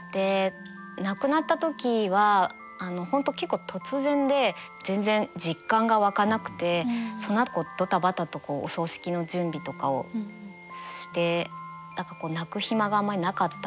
亡くなった時は本当結構突然で全然実感が湧かなくてそのあとドタバタとお葬式の準備とかをして何かこう泣く暇があんまりなかったんですけど。